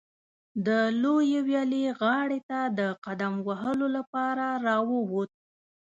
د لویې ویالې غاړې ته د قدم وهلو لپاره راووت.